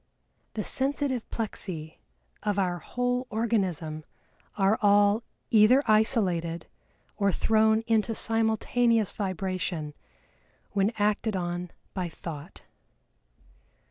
"The sensitive plexi of our whole organism are all either isolated or thrown into simultaneous vibration when acted on by Thought."